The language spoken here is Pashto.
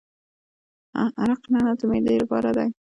عرق نعنا د معدې لپاره دی.